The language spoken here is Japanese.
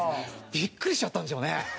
ビックリしちゃったんでしょうね。